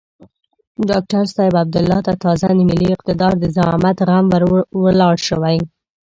ډاکتر صاحب عبدالله ته تازه د ملي اقتدار د زعامت غم ور ولاړ شوی.